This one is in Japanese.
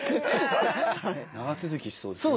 長続きしそうですね